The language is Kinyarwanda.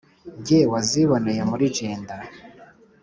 Jye waziboneye muri Jenda,